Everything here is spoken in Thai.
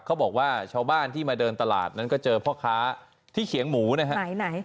เขาบอกว่าชาวบ้านที่มาเดินตลาดนั้นก็เจอพ่อค้าที่เขียงหมูนะฮะไหน